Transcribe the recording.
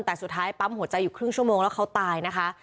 แต่สุดท้ายปั๊มหัวใจอยู่ครึ่งชั่วโมงแล้วเขาตายนะคะ